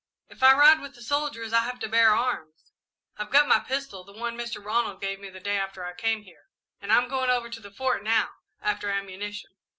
"If I ride with the soldiers, I have to bear arms. I've got my pistol the one Mr. Ronald gave me the day after I came here, and I'm going over to the Fort now, after ammunition."